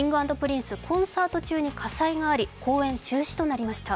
Ｋｉｎｇ＆Ｐｒｉｎｃｅコンサート中に火災があり公演中止となりました。